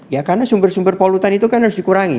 ya karena sumber sumber polutan itu kan harus dikurangi